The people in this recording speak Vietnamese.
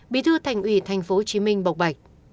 bí thư thành ủy tp hcm bọc bạch